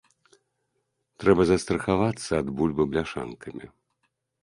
Трэба застрахавацца ад бульбы бляшанкамі.